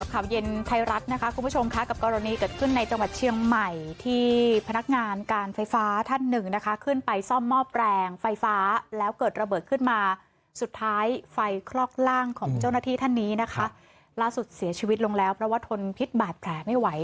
ข่าวเย็นไทยรัฐนะคะคุณผู้ชมค่ะกับกรณีเกิดขึ้นในจังหวัดเชียงใหม่ที่พนักงานการไฟฟ้าท่านหนึ่งนะคะขึ้นไปซ่อมหม้อแปลงไฟฟ้าแล้วเกิดระเบิดขึ้นมาสุดท้ายไฟคลอกร่างของเจ้าหน้าที่ท่านนี้นะคะล่าสุดเสียชีวิตลงแล้วเพราะว่าทนพิษบาดแผลไม่ไหว